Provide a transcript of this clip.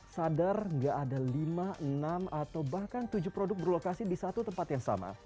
sadar gak ada lima enam atau bahkan tujuh produk berlokasi di satu tempat yang sama